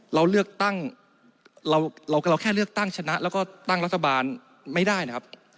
เราเลือกตั้งเราแค่เลือกตั้งชนะแล้วก็ตั้งรัฐบาลไม่ได้นะครับ